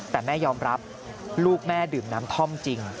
แต่แม่ยอมรับลูกแม่ดื่มน้ำท่อมจริง